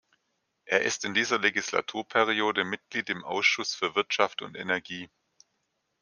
Er ist in dieser Legislaturperiode Mitglied im Ausschuss für Wirtschaft und Energie.